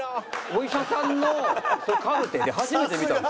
お医者さんのカルテで初めて見たんですよ。